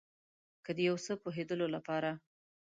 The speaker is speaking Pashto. که د یو څه پوهیدلو لپاره